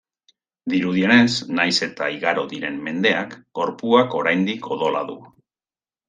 Dirudienez, nahiz eta igaro diren mendeak, gorpuak oraindik odola du.